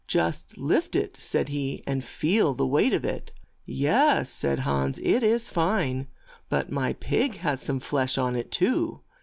"Just lift it," said he, "and feel the weight of it." "Yes," said Hans, "it is fine ; but my pig has some flesh on it too.